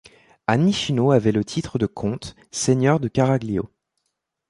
Anichino avait le titre de comte, seigneur de Caraglio.